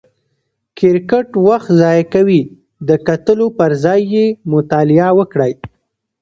کرکټ وخت ضایع کوي، د کتلو پر ځای یې مطالعه وکړئ!